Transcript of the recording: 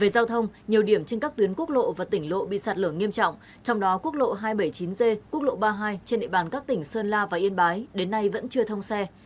hai trăm bảy mươi chín g quốc lộ ba mươi hai trên địa bàn các tỉnh sơn la và yên bái đến nay vẫn chưa thông xe